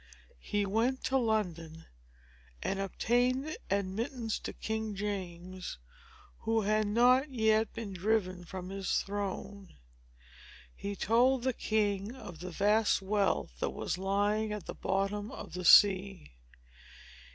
He went to London, and obtained admittance to King James, who had not yet been driven from his throne. He told the king of the vast wealth that was lying at the bottom of the sea.